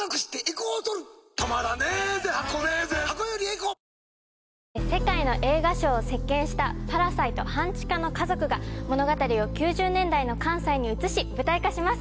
以上でした世界の映画賞を席巻した『パラサイト半地下の家族』が物語を９０年代の関西に移し舞台化します。